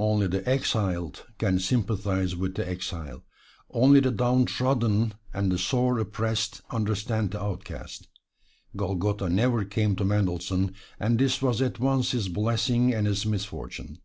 Only the exiled can sympathize with the exile only the downtrodden and the sore oppressed understand the outcast. Golgotha never came to Mendelssohn, and this was at once his blessing and his misfortune.